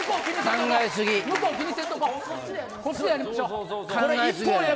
考えすぎや。